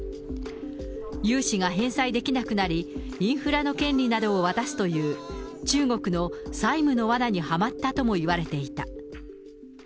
融資が返済できなくなり、インフラの権利などを渡すという、中国の債務のわなにはまったともいわれていた。